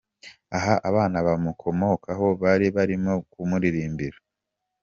Aha abana bamukomokaho bari barimo kumuririmbira.